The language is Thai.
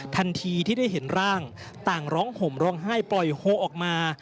ทันทีที่ได้เห็นร่างต่างร้องห่มร้องไห้ปล่อยโฮออกมา